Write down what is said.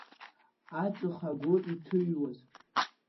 Аҵх агәы иҭыҩуаз…